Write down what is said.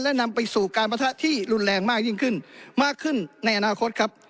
และนำไปสู่การประทะที่รุนแรงมากยิ่งขึ้นมากขึ้นในอนาคตครับ